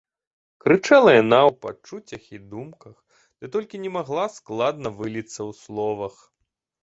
Крычала яна ў пачуццях і думках, ды толькі не магла складна выліцца ў словах.